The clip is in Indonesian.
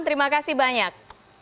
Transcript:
terima kasih banyak